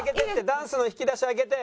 ダンスの引き出し開けて」。